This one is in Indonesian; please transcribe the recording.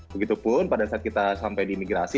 begitupun pada saat kita sampai di imigrasi